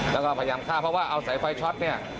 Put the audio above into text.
แล้วก็พยายามฆ่าเพราะว่าเอาสายไฟช็อตเนี่ย